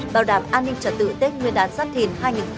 bảo đảm an ninh trật tự tết nguyên đán giáp thìn hai nghìn hai mươi bốn